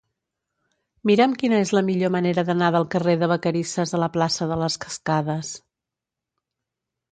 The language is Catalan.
Mira'm quina és la millor manera d'anar del carrer de Vacarisses a la plaça de les Cascades.